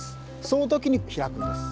その時に開くんです。